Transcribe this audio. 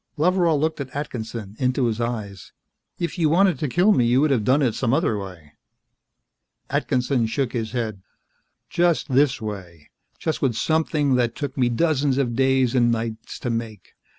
Loveral looked at Atkinson, into his eyes. "If you wanted to kill me, you could have done it some other way." Atkinson shook his head. "Just this way. Just with something that took me dozens of days and nights to make.